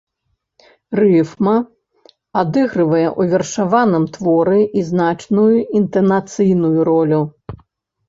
Рыфма адыгрывае ў вершаваным творы і значную інтанацыйную ролю.